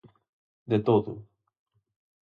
De todo.